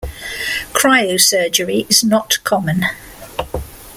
Cryosurgery is not common.